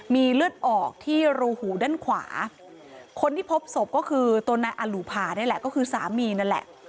มีเลือดออกที่รูหูด้านขวาคนที่พบศพก็คือตัวนายอลูภานี่แหละก็คือสามีนั่นแหละ